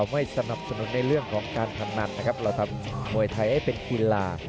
ไม่สนับสนุนในเรื่องของการพนันนะครับเราทำมวยไทยให้เป็นกีฬา